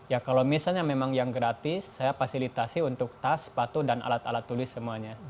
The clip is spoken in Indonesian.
ya kalau misalnya memang yang gratis saya fasilitasi untuk tas sepatu dan alat alat tulis semuanya